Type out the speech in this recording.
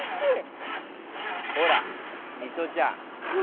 ほら、ミトちゃん。